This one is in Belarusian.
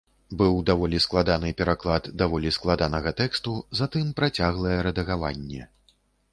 Быў даволі складаны пераклад даволі складанага тэксту, затым працяглае рэдагаванне.